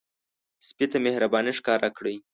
سپي ته مهرباني ښکار کړئ.